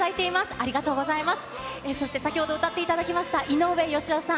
ありがとうございます。